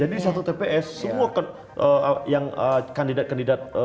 jadi satu tps semua yang kandidat kandidat